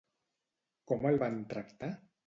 Com el van tractar?